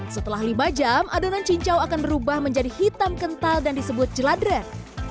setelah lima jam adonan cincau akan berubah menjadi hitam kental dan disebut jeladren